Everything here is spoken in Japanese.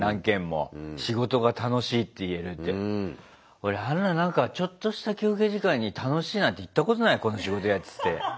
俺あんななんかちょっとした休憩時間に楽しいなんて言ったことないこの仕事やってて。